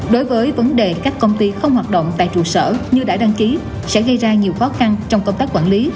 đối với vấn đề các công ty không hoạt động tại trụ sở như đã đăng ký sẽ gây ra nhiều khó khăn trong công tác quản lý